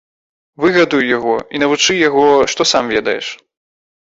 Выгадуй яго і навучы яго, што сам ведаеш.